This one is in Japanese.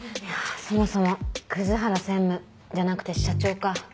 いやそもそも葛原専務じゃなくて社長か。